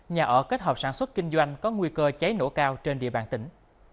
nhà ở kết hợp sản xuất kinh doanh có nguy cơ cháy nổ cao trên địa bàn tỉnh